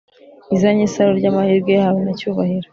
izanye isaro ryamahirwe yahawe na cyubahiro